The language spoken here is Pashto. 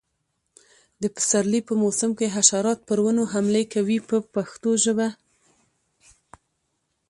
د پسرلي په موسم کې حشرات پر ونو حملې کوي په پښتو ژبه.